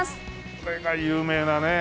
これが有名なね